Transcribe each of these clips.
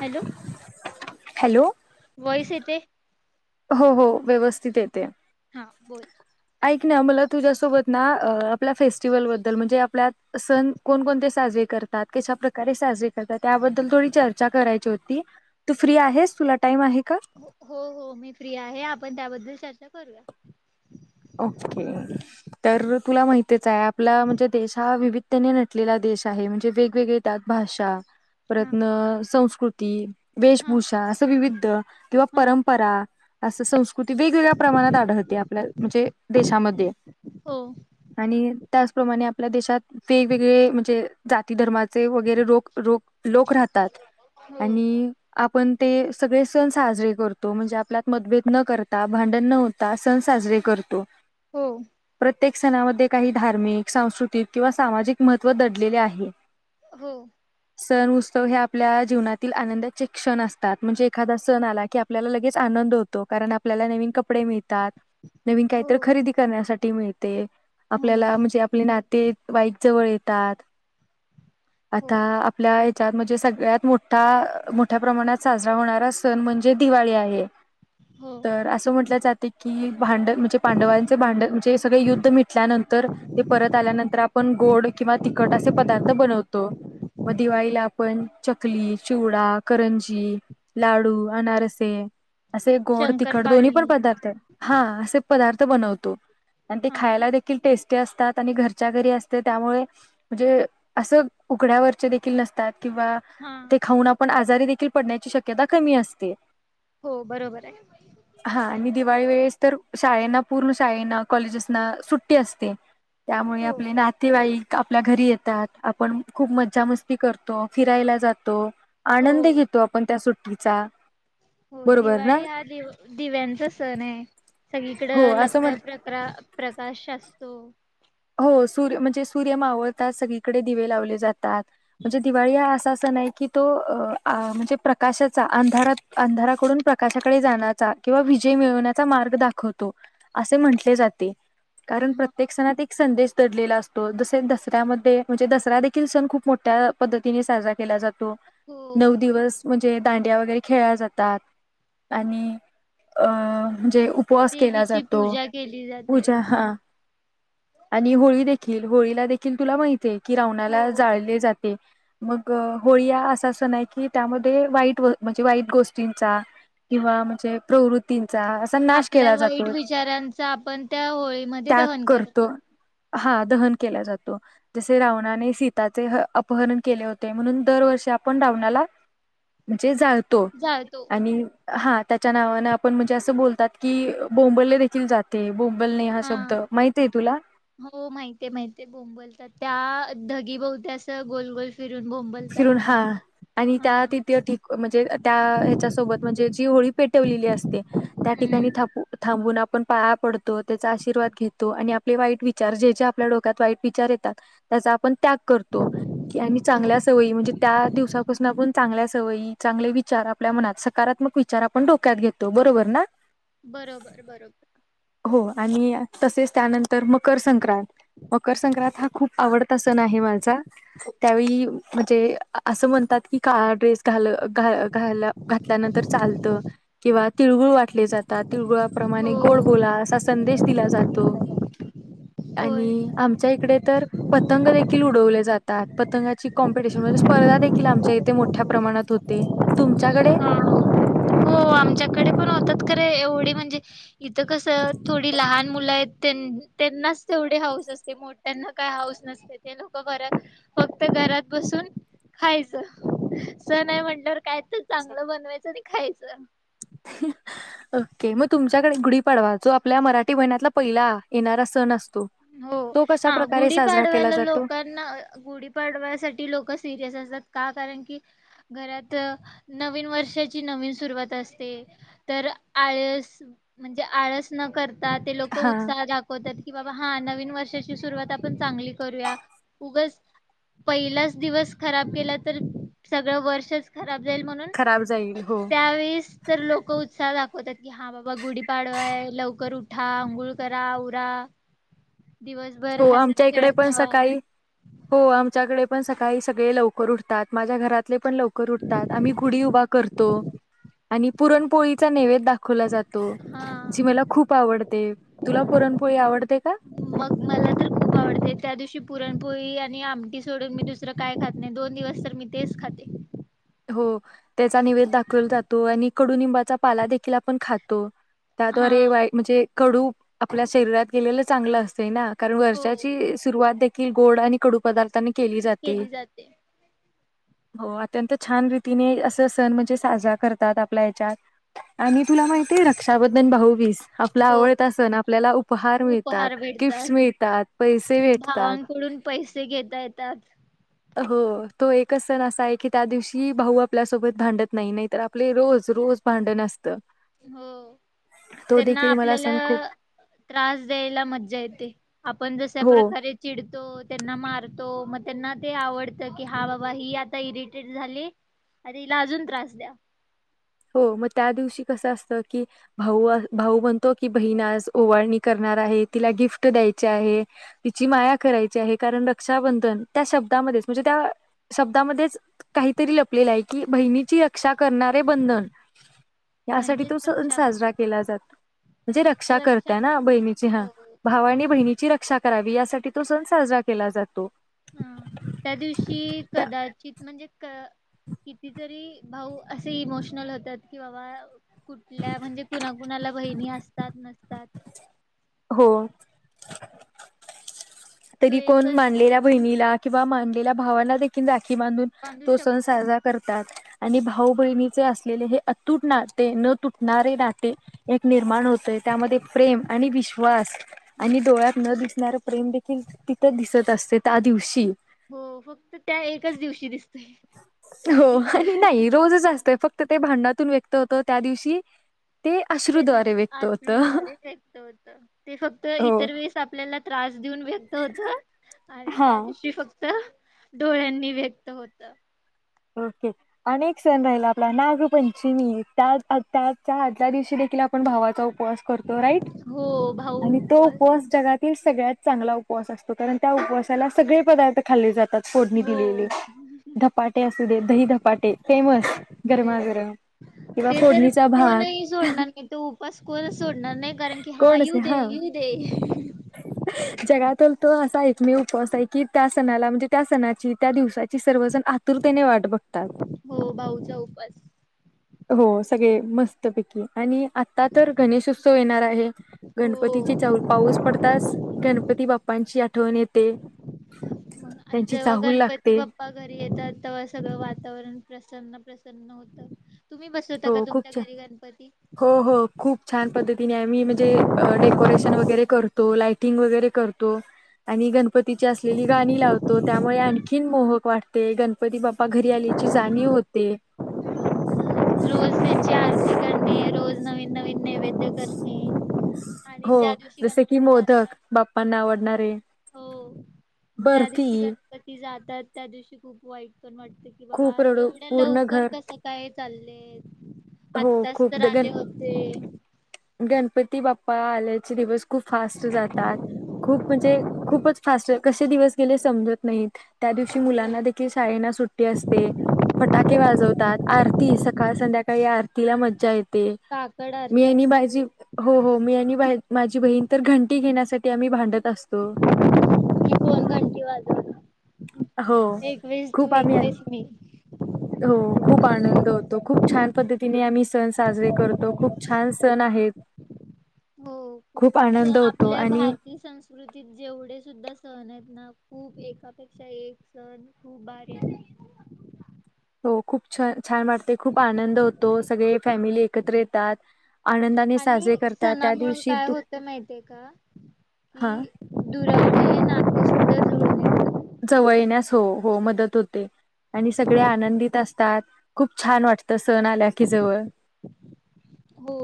Hello hello voice येतय हो हो व्यवस्थित येतेय. हा बोल ऐक ना मला तुझ्यासोबत ना आपल्या फेस्टिवलबद्दल म्हणजे आपल्या सण कोणकोणते साजरे करतात, कशा प्रकारे साजरे करतात? त्याबद्दल थोडी चर्चा करायची होती. तू फ्री आहेस, तुला टाईम आहे? का हो हो मी फ्री आहे आपण त्याबद्दल चर्चा करूया. ओके तर तुला माहितीच आहे आपला म्हणजे देश हा विविधतेने नटलेला देश आहे. म्हणजे वेगवेगळे त्यात भाषा हा प्रयत्न संस्कृत ती हा वेशभूषा असं विविध किंवा हा परंपरा असं संस्कृती वेगवेगळ्या प्रमाणात आढळते आपल्या म्हणजे देशामध्ये हो आणि त्याचप्रमाणे आपल्या देशात वेगवेगळे म्हणजे जाती धर्माचे ते वगैरे रोक लोक राहतात हो आणि आपण ते सगळे सण साजरे करतो म्हणजे आपल्यात मतभेद न करता भांडण न होता सण साजरे करतो. हो प्रत्येक सणामध्ये काही धार्मिक सांस्कृतिक किंवा सामाजिक महत्त्व दडलेले आहे. हो सण उत्सव हे आपल्या जीवनातील आनंदाचे क्षण असतात. म्हणजे एखादा सण आला की आपल्याला लगेच आनंद होतो. कारण आपल्याला नवीन कपडे मिळतात. नवीन काहीतर हो खरेदी करण्यासाठी मिळते आपल्याला हो म्हणजे आपले नातेईक जवळ येतात. हो आता आपल्या त म्हणजे सगळ्यात मोठा मोठ्या प्रमाणात साजरा होणारा सण म्हणजे दिवाळी आहे. हो तर असं म्हटलं जात ते की- भांड म्हणजे पांडवांचे भांड म्हणजे सगळे युद्ध मिटल्यानंतर ते परत आल्यानंतर आपण गोड किंवा तिखट असे पदार्थ बनवतो मग दिवाळीला आपण चकली, चिवडा, करंजी, लाडू, अनारसे असे गोड तिखट दोन्ही शंकरपाळी पण पदार्थ आहे. हा. पदार्थ बनवतो. आणि ते हा खायला देखील टेस्टी. असतात आणि घरच्या घरी असते त्यामुळे म्हणजे असं उघड्यावरचे देखील नसतात. किंवा हा ते खाऊन पण आजारी देखील पडण्याची शक्यता कमी असते. हो बरोबर आहे हा आणि दिवाळी वेळेस, तर शाळेना पूर्ण शाळेना कॉलेजेसना सुट्टी असते. त्यामुळे हो आपले नातेवाईक-. आपल्या घरी येतात, आपण खूप मज्जा मस्ती करतो फिरायला जातो. हो आनंदी घेतो आपण त्या सुट्ट्या [unintelligible] हो दिवाळी हा दि दिव्यांचा सण आहे. [inaudible] हो असं म्हण हो. हो सूर्य म्हणजे सूर्य मावळतात सगळीकडे दिवे लावले जातात., म्हणजे दिवाळी हा असा सण आहे की तो म्हणजे प्रकाशाचा अंधारात अंधाराकडून प्रकाशाकडे जाण्याचा, किंवा विजय मिळवण्याचा मार्ग दाखवतो असे म्हटले जाते., कारण प्रत्येक सण हे दडलेला असतो जसे दसऱ्यामध्ये म्हणजे दसरा देखील सण खूप मोठ्या पद्धतीने साजरा केला जातो. हो नऊ दिवस जे दांडिया वगैरे खेळल्या जातात आणि अ म्हणजे उपवास केला देवीची जातो पूजा केली जाते पूजा हा. आणि होळी देखील होळीला देखील तुला... की रावणाला हो जाळले जाते. मग होळी हा असा सण आहे की त्यामध्ये वाईट म्हणजे वाईट गोष्टींचा किंवा म्हणजे प्रवृती, आपल्या वाईट विचारांचा आपण त्या होळीमध्ये दहन करतो. हा दहन केला जातो जसे रावणाने सीताचे अपहरण केले होते, म्हणून दरवर्षी आपण रावणाला... जे जाळतो जाळतो. आणि... हा त्याच्या नावाने आपण म्हणजे असं बोलतात की बोंबले देखील जाते. हा. [unintelligible] हो माहिती आहे माहित आहे बोंबलतात, त्या. हा धागि बहुती अस गोल गोल फिरून बोंबलतात. फिरून हा आणि हा. त्या तिथ म्हणजे त्या ह्याच्या सोबत म्हणजे जी होळी पेटवलेली असते त्या ठिकाणी थ हम्म. थांबून आपण आपण पाया पडतो त्याचा आशीर्वाद घेतो आणि आपले वाईट विचार जे जे आपल्या डोक्यात वाईट विचार येतात त्याचा आपण त्याग करतो आणि चांगल्या हो. स म्हणजे त्या दिवपासून आपण चांगल्या सवयी चांगले विचार आपल्या मनात सकारात्मक विचार आपण डोक्यात घेतो बरोबर ना? बरोबर बरोबर. हो आणि तसेच त्यानंतर तर मकर संक्रांत मकर संक्रांत हा खूप आवड तस नाही माझा, त्यावेळी म्हणजे. असं म्हणतात की काळा ड्रेस घालं घा घाल घातल्यानंतर चालत किंवा तिळगुळ वाटले जातात. तिळगुळाप्रमाणे गोड बोला हो. असा संदेश दिला जातो. होय. आणि आमच्या इकडे तर पतंग देखील उडवले जातात. पतंगाची कॉम्पिटिशन म्हणजे स्पर्धा देखिल आमच्या इथे मोठ्या प्रमाणात होते. तुमच्याकडे? हा हो आमच्याकडे पण होतात. खरं एवढी म्हणजे इथं कसं थोडी लहान मुलं आहेत, त्यांनाच तेवढे हाऊस असते मोठ्यांना काय हाऊस नसते. ते लोक बर फक्त घरात बसून खायचं. सण आहे म्हण काय तर चांगलं बनवायचं आणि खायचं. ग. ओके म तुमच्याकडे गुढीपाडवा जो आपल्या मराठी महिन्यातला पहिला येणारा सण असतो. हो तो कशा हा प्रकारे साजरा केला गुढीपाडव्याला जातो? लोकांना गुढीपाडव्यासाठी लोक सिरियस असतात. का कारण की घरात नवीन वर्षाची नवीन सुरवात असते. तर आळस म्हणजे आळस न कर ते लोक हा उत्साह दाखवतात कि बा नवीन वर्षाची सुरुवात आपण चांगली करूया. उगच पहिलाच दिवस खराब गेला तर सगळं वर्ष खराब जाईल, म्हणून खराब जाईल हो त्यावेळेस तर लोक उत्साह दाखवतात की हा बाबा गुढीपाडवाय लवकर उठा अंघोळ करा आवरा दिवसभर हो हसत आमच्या इकडे खेळत पण राहावा. सकाळी, हो आमच्याकडे पण सकाळी सगळे लवकर उठतात. माझ्या घरातले पण लवकर उठतात. आम्ही गुढी उभा करतो. आणि पुरणपोळीचा नैवद्य दाखवला जातो जी हा. मला खूप आवडते तुला पुरणपोळी आवडते का? मग मला तर खूप आवडते त्या दिवशी पुरणपोळी आणि आमटी सोडून मी दुसरं काय खात नाही. दोन दिवस तर मी तेच खाते. हो त्याचा निवेद दाखवला जातो, आणि कडुनिंबाचा पाला देखील आपण खातो. हा त्याद्वारे वाईट म्हणजे कडू आपल्या शरीरात केेलेलं चांगलं असतय ना कारण हो वर्षाची सुरुवात एका गोड आणि कडू पदार्थां केली जाते. हो अत्यंत छान रीतीने असं सण म्हणजे साजरा करतात आपल्या ह्याच्यात. आणि तुला मग माहिती आहे रक्षाबध द भाऊबीज. आपल्या हो आवडत असन आपल्याला आवड उपहार मिळतात, उपहार भेटतात गिफ्ट मिळतात, पैसे भेटतात. भावांकडून पैसे घेता येतात. हो तो एकच सण असा आहे की त्या दिवशी भाऊ आपल्यासोबत भांडत नाही नाही तर आपले रोज रोज भांडण असत. हो त्यांना देखील मला आपल्याला सण खूप त्रास द्यायला मज्जा येते आपण. जश्या हो प्रकारे चिड त्यांना मारतो मग त्यांना ते आवडत की हा बाबा ही आता इरिटेट झाली आणि तिला अजून त्रास द्या. हो मग त्या दिवशी कसं असतं की भाऊ भाऊ म्हणतो की बहीण आज ओवाळणी करणार आहे, तिला गिफ्ट द्यायची आहे, तिची माया करायची आहे, कारण रक्षाबंधन त्या शब्दामध्येच म्हणजे त्या शब्दामध्येच काहीतरी लपलेलं आहे की बहिणीची रक्षा करणारे बंधन. यासाठी म्हणजेच तो सण रक्षाबंधन साजरा केला जातो म्हणजे रक्षा करता ना बहिणीची हा हो भावा आणि बहिणीची रक्षा. करावी यासाठी तो सण साजरा केला जातो. ह त्या दिवशी त्या कदाचित म्हणजे? कितीतरी भाऊ असे इमोशनल होतात कि बाबा. कुठल्या म्हणजे कुणा कुणाला? बहिणी असतात नसतात. हो. तो तरी कोण एकच मानलेल्या दिवस बहिणीला. नलेल्या भावना देख. बांधून बांधू तो सण शकत साजरा करतात. आणि भाऊ बहिणीचे असलेले हे अतूट नाते न तुटणारे नाते एक निर्माण होतेय त्यामध्ये प्रेम आणि विश्वास. आणि हम्म डोळ्यात न दिसणार. प्रेम. कि तिथं दिसत असते त्या दिवशी. हो फक्त त्या एकाच दिवशी दिसत. हो आणि नाही रोजच असतय फक्त. ते भांडातून व्यक्त होत त्या दिवशी. ते त्या अश्रूद्वारे दिवशी व्यक्त होतं आश्रूजारेत होत ते फक्त हो इतर वेळेस आपल्याला त्रास. ऊन भेेतत होत. आणि त्या हा दिवशी फक्त डोळ्यांनी व्यक्त होत. ओके अ एक सण राहिला आपला नागपंचमी त्या त्या आदल्या दिवशी देखील आपण भावाचा उपवास करतो राईट, हो भाऊ आणि तो उपवास जगातील सगळ्यात चांगला उपवास असतो, कारण त्या उपवासाला सगळे पदार्थ खाल्ले जात फोडणी दिलेले. हो धपाट गरमागरम किंवा ते तर फोडणीचा भात कोणही सोडणार नाही, तो उपास कोणच सोडणार नाही कारण की हा कोण येऊ असे दे, येऊ दे. जगातील तो असा एकमेव उपवास आहे, की त्या सणाला म्हणजे त्या सणाची त्या दिवसाची सर्वजण आ तूर तेने वाट बघतात. हो भाऊचा उपवास. हो सगळे मस्तपैकी, आणि आता तर गणेश उत्सव येणार आहे. गणपतीची हो चाऊल पाऊस पडताच गणपती बाप्पांची आठवण येते. त्यांची जेव्हा चाहूल गणपती लागते बाप्पा घरी येतात. सगळं वातावरण प्रसन्न प्रसन्न होतं. तुम्ही बसवता हो का खूप तुमच्या छान घरी गणपती? हो हो खूप छान पद्धतीने आम्ही म्हणजे डेकोरेशन वगैरे करतो, लायटिंग वगैरे करतो आणि गण पतीची असलेली गाणी लावतो. त्यामुळे आणखीन मोहक वाटते, गणपती बापा घरी आल्याची जाणीव होते. रोज त्यांची आरती करणे रोज नवीन नवीन नैवेद्य करणे [inaudible] आणि हो ज्या दिवशी जसे की गणपती मोदक जातात बाप्पांना आवडणारे हो बर्फी, तर त्या दिवशी खूप वाईट पण वाटत की खूप बाबा रडू एवढ्या पूर्ण लवकर घर कसं क? चाल्ले. हो खूप गण गणपती बाप् पहा आलेत. दिवस खूप फास्ट जातात, खूप म्हणजे खूपच फास्ट कसं दिवस गेले समजत नाहीत. त्या दिवशी हम्म. मुलांना देखील शाळेना सुट्टी असते, फटाके वाजवतात, आरती सकाळ संध्याकाळी काही आरतीला मज्जा येत. ते काकड मी आरती आणि माझी असते हो हो मी आणि मा माझी बहीण तर घंटी घेण्यासाठी आम्ही भांडत असतो. की कोण घंटी वाजवणार? हो एकवीस तू खूप आम्ही, एकवीस मी. हो खूप आनंद खूप छान पद्धतीने आम्ही सण साजरे करतो. खूप छान सण आहेत. हो खूप आनंद होतो आपल्या आणि भारतीय संस्कृतीत जेवढे सुद्धा सन आहेत ना खूप एकापेक्षा एक सण खूप भारी आ हो खूप छान छान वाटते खूप आनंद होतो. सगळे फॅमिली एकत्र येतात. आनंदाने साजरे आणि करतात. त्या सणामुळ दिवशी काय दु होत माहिती आहे का हां, कि दुरावा ना जवळ येण्यास हो हो मदत होते. आणि सगळे आनंदित अस तात खूप छान वाटत सण आला की जवळ हो.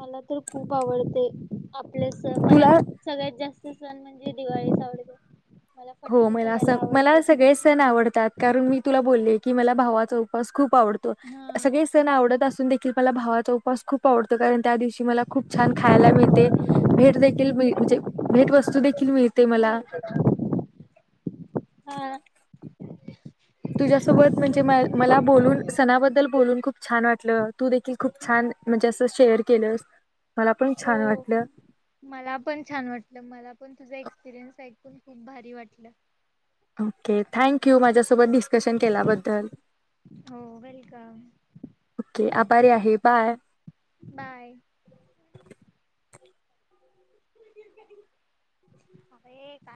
मला तर खूप आवडते. आ आपले सण मला तुला फक्त सगळ्यात जास्त सण म्हणजे दिवाळी सावली हो मला अस मला सगळे सण आवडतात, कारण मी तुला बोलले की मला भावाचा उपवास खूप आवडतो. हा. सगळे सण आवडत असून देखिन मला भावा तो उपवास खूप आवडतं कारन त्या दिवशी मला खूप छान खायला मिळते. भेट देखील म्हणजे भेट वस्तू देखील मिळते मला हा. तुझ्यासोबत म्हणजे मला बोलून सणाबद्दल बोलून खूप छान वाटलं. तू देखील खूप छान म्हणजे असं शेअर केलंस मला पण हो छान वाटलं मला पण छान वाटलं मला पण तुझ एक्स एक्सपिरियन्स ऐकून खूप भारी वाटलं. ओके थँक्यू माझ्या सोब सोबत डिस्कशन केल्याबद्दल. हो वेलकम. ओके आभारी आहे बाय. बाय. अरे काय?